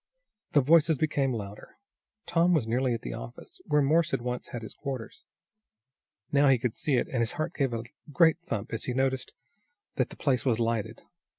The voices became louder. Tom was now nearly at the office, where Morse had once had his quarters. Now he could see it, and his heart gave a great thump as he noticed that the place was lighted.